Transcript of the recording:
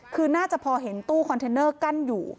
คือน่าจะพอเห็นตู้คอนเทนเนอร์กั้นอยู่